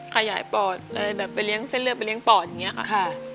ขยายปอดอะไรแบบไปเลี้ยงเส้นเลือดไปเลี้ยปอดอย่างนี้ค่ะ